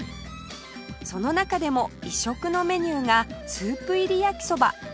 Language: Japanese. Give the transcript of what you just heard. その中でも異色のメニューがスープ入りやきそば